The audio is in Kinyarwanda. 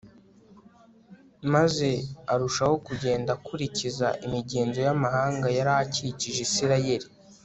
maze arushaho kugenda akurikiza imigenzo y'amahanga yari akikije isirayeli